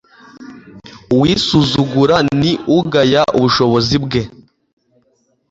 uwisuzugura ni ugaya ubushobozi bwe